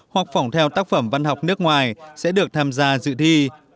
hoặc phỏng theo tác phẩm văn học nước ngoài sẽ được tham gia dự thi